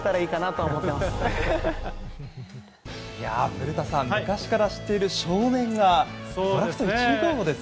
古田さん昔から知っている少年が、ドラフト１位候補です。